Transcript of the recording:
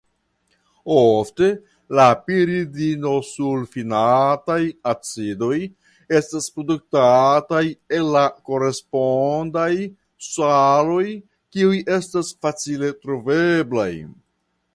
Ofte la piridinosulfinataj acidoj estas produktataj el la korespondaj saloj kiuj estas facile troveblaj.